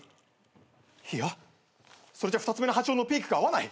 いやそれじゃ２つ目の波長のピークが合わない。